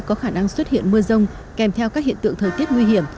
có khả năng xuất hiện mưa rông kèm theo các hiện tượng thời tiết nguy hiểm